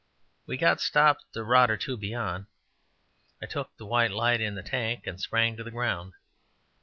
We got stopped a rod or two beyond. I took the white light in the tank and sprang to the ground.